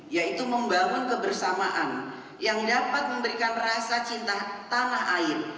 yaitu membangun kebersamaan yang dapat memberikan rasa cinta tanah air